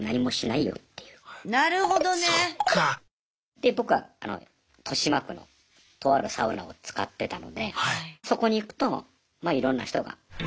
で僕は豊島区のとあるサウナを使ってたのでそこに行くとまあいろんな人がやっぱりいて。